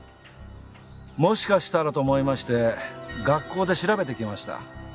もしかしたらと思いまして学校で調べてきました。